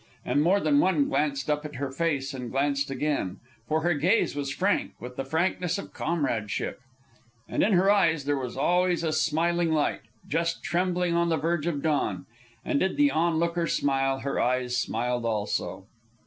And more than one glanced up at her face, and glanced again; for her gaze was frank, with the frankness of comradeship; and in her eyes there was always a smiling light, just trembling on the verge of dawn; and did the onlooker smile, her eyes smiled also.